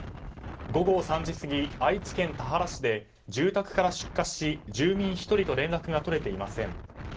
午後３時過ぎ、愛知県田原市で住宅から出火し、住民１人と連絡が取れていません。